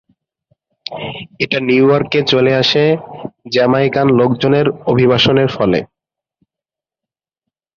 এটা নিউইয়র্কে চলে আসে জ্যামাইকান লোকজনের অভিবাসনের ফলে।